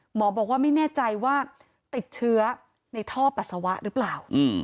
หมอบอกว่าไม่แน่ใจว่าติดเชื้อในท่อปัสสาวะหรือเปล่า